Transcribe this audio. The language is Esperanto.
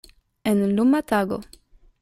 En luma tago.